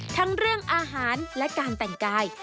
ทั้งเรื่องอาหารและการแต่งกาย